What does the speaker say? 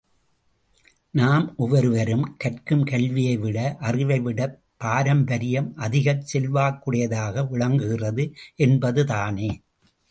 நாம் ஒவ்வொருவரும் கற்கும் கல்வியை விட அறிவை விடப் பாரம்பரியம் அதிகச் செல்வாக்குடையதாக விளங்குகிறது என்பதுதானே!